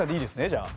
じゃあ。